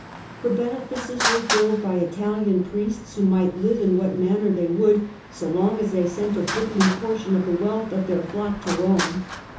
Her benefices were filled by Italian priests, who might live in what manner they would so long as they sent a goodly portion of the wealth of their flock to Rome.